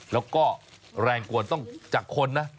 แล้วก็แรงกวนต้องจากคนนะ